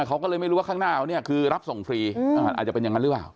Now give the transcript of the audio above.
เขาก็เลยไม่รู้ว่าข้างหน้าเขาเนี่ยคือรับส่งฟรีอาจจะเป็นอย่างนั้นหรือเปล่า